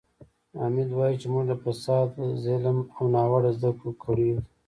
حامد وایي چې موږ له فساد، ظلم او ناوړه زده کړو کړېږو.